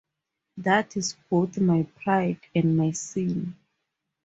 That is both my pride and my sin...